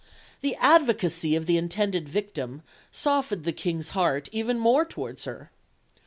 The advocacy of the intended victim softened the King's heart even more towards her.